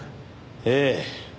ええ。